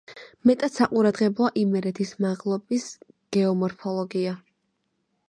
მეტად საყურადღებოა იმერეთის მაღლობის გეომორფოლოგია.